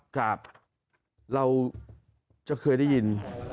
ครับเราจะเคยได้ยิน